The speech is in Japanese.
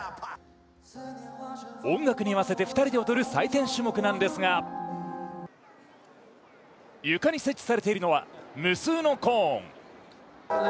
音楽に合わせて２人で踊る採点種目なんですが床に設置されているのは、無数のコーン。